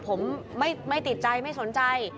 ผมไม่ติดใจไม่สนใจ